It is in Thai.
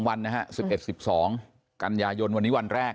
วันนะฮะ๑๑๑๒กันยายนวันนี้วันแรก